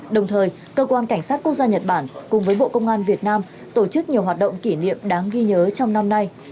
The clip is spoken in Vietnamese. đồng thời cơ quan cảnh sát quốc gia nhật bản cùng với bộ công an việt nam tổ chức nhiều hoạt động kỷ niệm đáng ghi nhớ trong năm nay